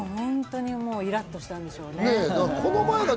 イラっとしたんでしょうね。